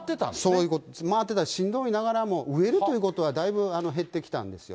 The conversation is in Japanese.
そういうこと、回ってた、しんどいながらも、飢えるということはだいぶ減ってきたんですよ。